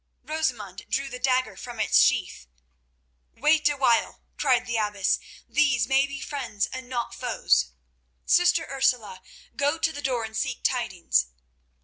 Rosamund drew the dagger from its sheath. "Wait awhile," cried the abbess. "These may be friends, not foes. Sister Ursula, go to the door and seek tidings."